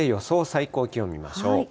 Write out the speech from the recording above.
最高気温見ましょう。